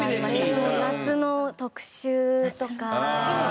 夏の特集とか。